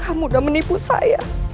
kamu udah menipu saya